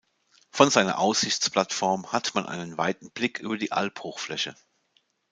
Von seiner Aussichtsplattform hat man einen weiten Blick über die Albhochfläche.